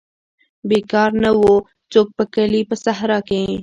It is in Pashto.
بیکار نه وو څوک په کلي په صحرا کې.